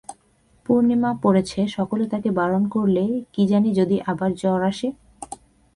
পূর্ণিমা পড়েছে, সকলে তাঁকে বারণ করলে, কী জানি যদি আবার জ্বর আসে।